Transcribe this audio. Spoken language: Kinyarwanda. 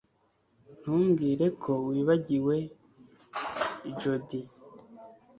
Ntumbwire ko wibagiwe jody